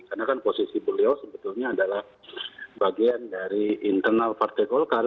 karena kan posisi beliau sebetulnya adalah bagian dari internal partai golkar